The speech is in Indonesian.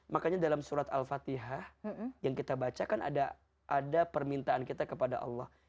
makanya dalam surat al fatihah yang kita baca kan ada permintaan kita kepada allah